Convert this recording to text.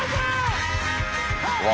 うわ！